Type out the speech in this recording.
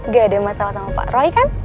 gak ada masalah sama pak roy kan